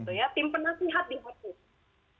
tim penasihat diharus